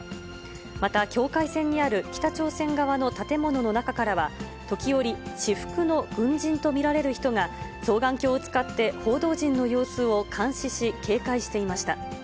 また境界線にある北朝鮮側の建物の中からは、時折、私服の軍人と見られる人が、双眼鏡を使って報道陣の様子を監視し、警戒していました。